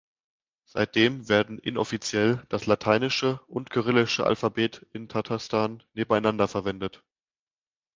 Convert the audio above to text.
Seitdem werden inoffiziell das lateinische und kyrillische Alphabet in Tatarstan nebeneinander verwendet.